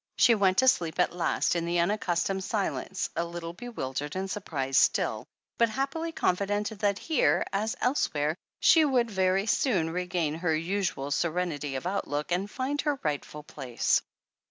She went to sleep at last in the unaccustomed silence, a little bewildered and surprised still, but happily con fident that here, as elsewhere, she would very soon regain her usual serenity of outlook and find her right ful place.